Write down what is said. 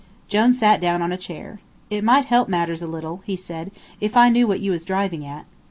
Jone sat down on a chair. "It might help matters a little," he said, "if I knew what you was driving at."